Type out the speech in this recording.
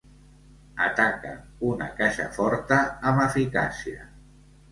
Ataca una caixa forta amb eficàcia.